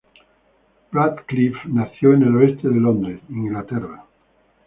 Radcliffe nació en el oeste de Londres, Inglaterra.